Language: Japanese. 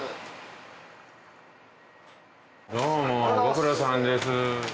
どうもご苦労さんです。